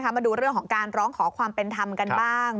มาดูเรื่องของการร้องขอความเป็นธรรมกันบ้าง